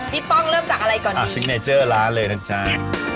ป้องเริ่มจากอะไรก่อนซิกเนเจอร์ร้านเลยนะจ๊ะ